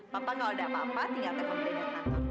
papa kalau gak ada apa apa tinggal tengok brenda kantor